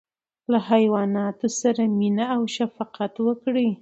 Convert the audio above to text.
له حیواناتو سره مینه او شفقت وکړئ.